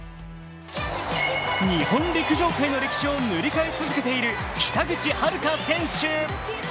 日本陸上界の歴史を塗り替え続けている北口榛花選手。